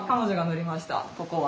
ここは。